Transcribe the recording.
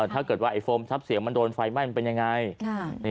ถ้าเกิดว่าไอโฟมซับเสียงมันโดนไฟไหม้มันเป็นยังไง